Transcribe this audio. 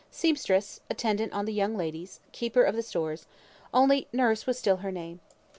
Seamstress, attendant on the young ladies, keeper of the stores; only "Nurse" was still her name.